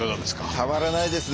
たまらないですね。